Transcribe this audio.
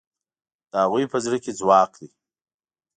د هغوی په زړه کې ځواک دی.